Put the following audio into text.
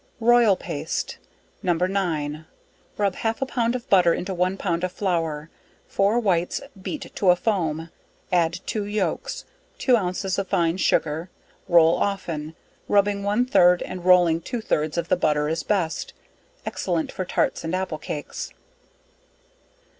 Royal Paste. No. 9. Rub half a pound of butter into one pound of flour, four whites beat to a foam, add two yolks, two ounces of fine sugar; roll often, rubbing one third, and rolling two thirds of the butter is best; excellent for tarts and apple cakes.